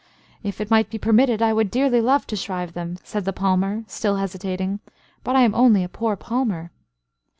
"If it might be permitted I would dearly love to shrive them," said the palmer, still hesitating. "But I am only a poor palmer."